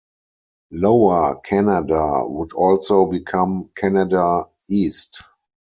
Lower Canada would also become Canada East.